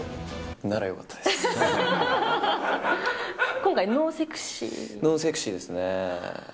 今回、ノーセクシーですね。